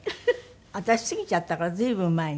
私過ぎちゃったから随分前に。